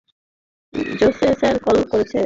Jose sir call করছেন।